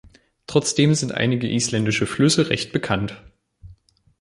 Trotzdem sind einige isländische Flüsse recht bekannt.